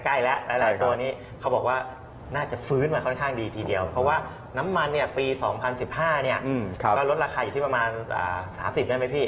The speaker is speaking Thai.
ใกล้แล้วหลายตัวนี้เขาบอกว่าน่าจะฟื้นมาค่อนข้างดีทีเดียวเพราะว่าน้ำมันเนี่ยปี๒๐๑๕เนี่ยก็ลดราคาอยู่ที่ประมาณ๓๐ได้ไหมพี่